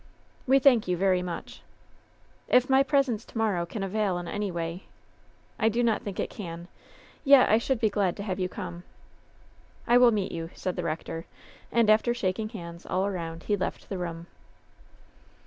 "We thank you very much." "If my presence to morrow can avail in any way ^" "I dp not think it can, yet I should be glad to have you come." "I will meet you," said the rector. And after shaking hands all around he left the room.